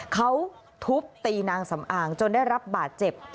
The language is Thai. เขาทุบตีนางสำอางจนได้รับบาดเจ็บ